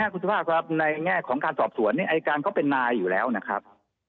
คุณสุภาพครับในแง่ของการสอบสวนอายการเขาเป็นนายอยู่แล้วนะครับ